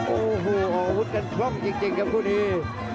โอ้โหอาวุธกันคล่องจริงครับคู่นี้